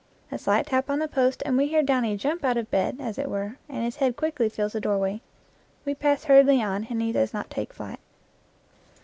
A slight tap on the post and we hear Downy jump out of bed, as it were, and his head quickly fills the doorway. We pass hurriedly on and he does not take flight.